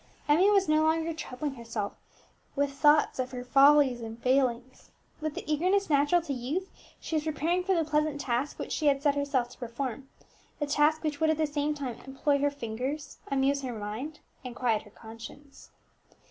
Emmie was no longer troubling herself with thoughts of her follies and failings. With the eagerness natural to youth, she was preparing for the pleasant task which she had set herself to perform, a task which would at the same time employ her fingers, amuse her mind, and quiet her conscience.